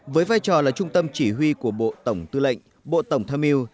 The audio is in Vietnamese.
với vai trò là trung tâm chỉ huy của bộ tổng tư lệnh bộ tổng tham mưu